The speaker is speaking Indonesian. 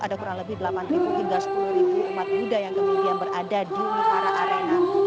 ada kurang lebih delapan hingga sepuluh umat buddha yang kemudian berada di wihara arena